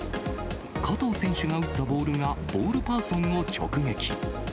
加藤選手が打ったボールが、ボールパーソンを直撃。